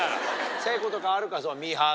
誠子とかあるか？